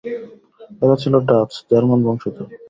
এরা ছিল Dutch, German বংশধর।